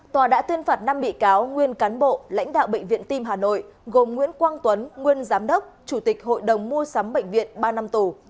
tòa đã tuyên phạt năm bị cáo nguyên cán bộ lãnh đạo bệnh viện tim hà nội gồm nguyễn quang tuấn nguyên giám đốc chủ tịch hội đồng mua sắm bệnh viện ba năm tù